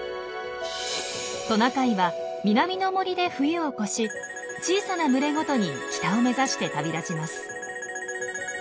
トナカイは南の森で冬を越し小さな群れごとに北を目指して旅立ちます。